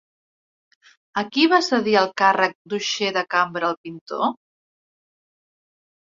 A qui va cedir el càrrec d'«uixer de cambra» el pintor?